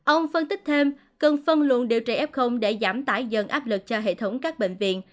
ông phân tích thêm cần phân luận điều trị f để giảm tải dần áp lực cho hệ thống các bệnh viện